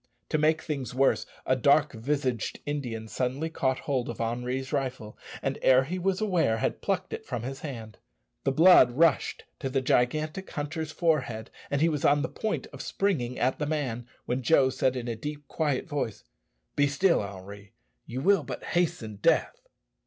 To make things worse, a dark visaged Indian suddenly caught hold of Henri's rifle, and, ere he was aware, had plucked it from his hand. The blood rushed to the gigantic hunter's forehead, and he was on the point of springing at the man, when Joe said in a deep quiet voice, "Be still, Henri. You will but hasten death."